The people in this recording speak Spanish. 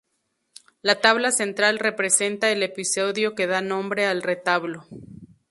La tabla central representa el episodio que da nombre al retablo.